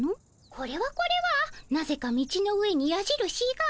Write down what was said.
これはこれはなぜか道の上にやじるしが。